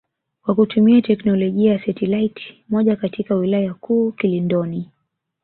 kwa kutumia teknolojia ya setilaiti moja katika wilaya kuu Kilindoni